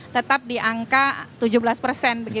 tetap di angka tujuh belas persen